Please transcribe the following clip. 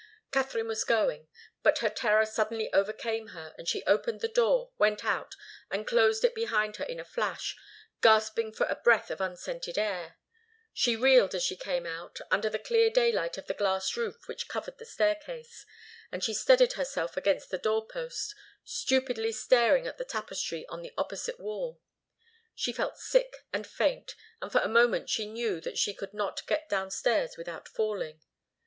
Katharine was going, but her terror suddenly overcame her, and she opened the door, went out, and closed it behind her in a flash, gasping for a breath of unscented air. She reeled as she came out, under the clear daylight of the glass roof which covered the staircase, and she steadied herself against the door post, stupidly staring at the tapestry on the opposite wall. She felt sick and faint, and for a moment she knew that she could not get downstairs without falling.